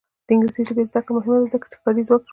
د انګلیسي ژبې زده کړه مهمه ده ځکه چې کاري ځواک روزي.